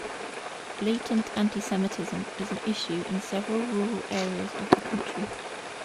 Latent antisemitism is an issue in several rural areas of the country.